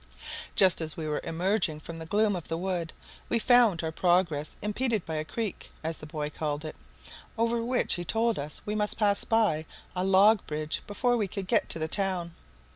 Just as we were emerging from the gloom of the wood we found our progress impeded by a creek, as the boy called it, over which he told us we must pass by a log bridge before we could get to the town.